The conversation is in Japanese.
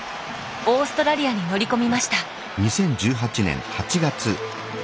オーストラリアに乗り込みました。